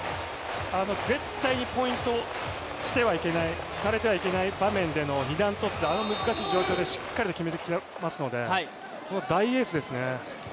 絶対にポイントされてはいけない場面での二段トスであの難しい状況でしっかりと決めてきてますのでもう大エースですね。